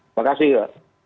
terima kasih ibu